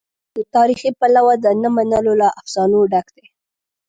له تاریخي پلوه د نه منلو له افسانو ډک دی.